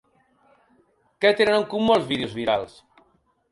Què tenen en comú els vídeos virals?